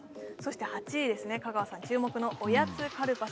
８位ですね、香川さん注目のおやつカルパス。